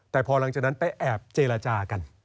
แต่พอหลังจากนั้นไปแอบเจรจากัน